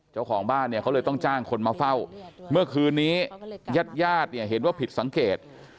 เจ้าของบ้านเนี่ยเขาเลยต้องจ้างคนมาเฝ้าเมื่อคืนนี้ญาติญาติเนี่ยเห็นว่าผิดสังเกต